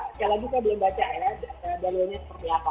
sekali lagi saya belum baca ya dalilnya seperti apa